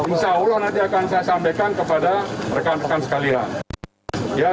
insya allah nanti akan saya sampaikan kepada rekan rekan sekalian